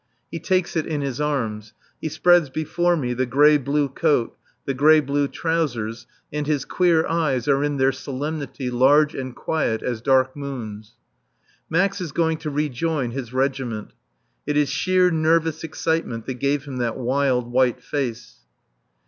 He takes it in his arms, he spreads before me the grey blue coat, the grey blue trousers, and his queer eyes are in their solemnity large and quiet as dark moons. Max is going to rejoin his regiment. It is sheer nervous excitement that gave him that wild, white face.